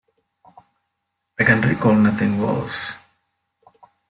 I can recall nothing worse.